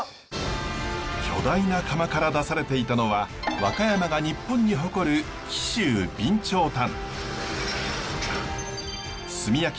巨大な窯から出されていたのは和歌山が日本に誇る紀州備長炭。